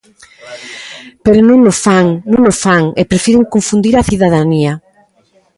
Pero non o fan, non o fan, e prefiren confundir a cidadanía.